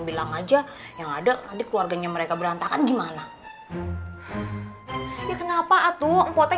bilang aja yang ada keluarganya mereka berantakan gimana ya kenapa atuh poten